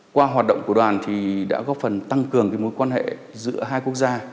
qua hoạt động của đoàn thì đã góp phần tăng cường mối quan hệ giữa hai quốc gia